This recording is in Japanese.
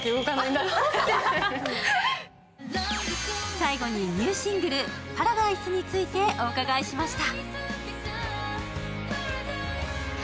最後にニューシングル「Ｐａｒａｄｉｓｅ」についてお伺いしました。